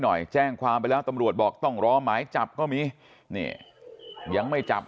หน่อยแจ้งความไปแล้วตำรวจบอกต้องรอหมายจับก็มีนี่ยังไม่จับ